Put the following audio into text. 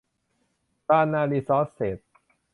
ลานนารีซอร์สเซส